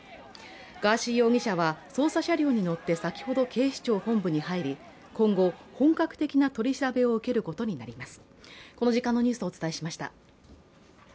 ガーシー容疑者は捜査車両に乗って先ほど警視庁本部に入り、今後本格的な取り調べを受けることになります。